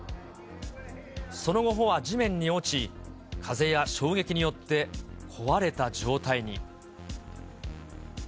その後、帆は地面に落ち、風や衝撃によって壊れた状態に。